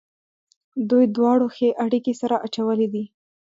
دوی دواړو ښې اړېکې سره اچولې دي.